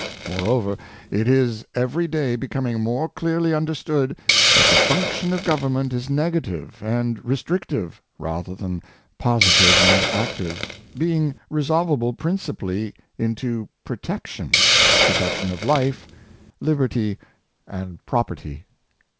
Moreover, it is every day becoming more clearly understood, that the function of Government is negative and restrictive, rather than positive and active; being resolvable principally into protection — protection of life, liberty, and property.